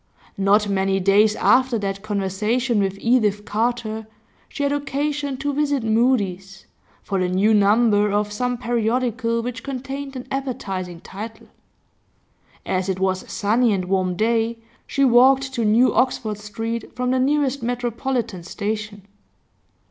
Not many days after that conversation with Edith Carter, she had occasion to visit Mudie's, for the new number of some periodical which contained an appetising title. As it was a sunny and warm day she walked to New Oxford Street from the nearest Metropolitan station.